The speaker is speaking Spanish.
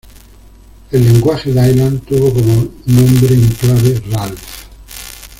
El lenguaje Dylan tuvo como nombre en clave ‘Ralph’.